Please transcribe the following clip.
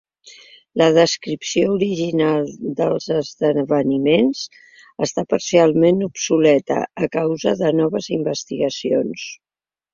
La descripció original dels esdeveniments està parcialment obsoleta a causa de noves investigacions.